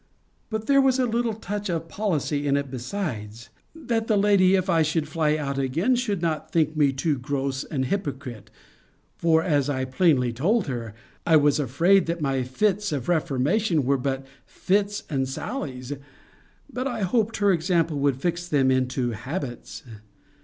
But there was a little touch of policy in it besides; that the lady, if I should fly out again, should not think me too gross an hypocrite: for, as I plainly told her, I was afraid, that my fits of reformation were but fits and sallies; but I hoped her example would fix them into habits.